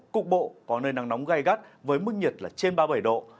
cục bộ có nơi nắng nóng gai gắt với mức nhiệt là trên ba mươi bảy độ